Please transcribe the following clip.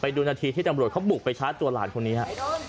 ดูนาทีที่ตำรวจเขาบุกไปชาร์จตัวหลานคนนี้ฮะ